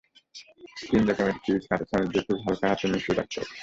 তিন রকমের চিজ কাঁটাচামচ দিয়ে খুব হালকা হাতে মিশিয়ে রাখতে হবে।